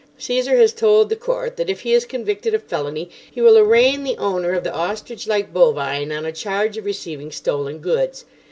Caesar has told the court that if he is convicted of felony, he will arraign the owner of the ostrich like bovine on a charge of receiving stolen goods.